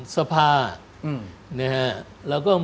กับคนที่อยู่บพลัง